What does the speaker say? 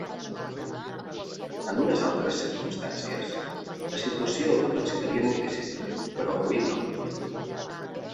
En unes altres circumstàncies, la situació l'excitaria moltíssim, però avui no.